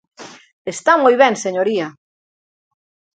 Está moi ben, señoría.